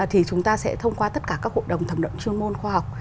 thì chúng ta sẽ thông qua tất cả các hội đồng thẩm định chuyên môn khoa học